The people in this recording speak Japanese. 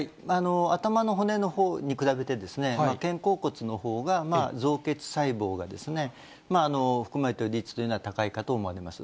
頭の骨のほうに比べてですね、肩甲骨のほうが造血細胞が含まれている率というのは、高いかと思います。